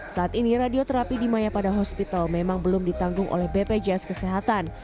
saat ini radioterapi di maya pada hospital memang belum ditanggung oleh bpjs kesehatan